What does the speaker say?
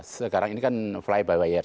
sekarang ini kan fly by year